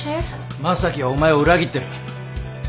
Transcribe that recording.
正樹はお前を裏切ってる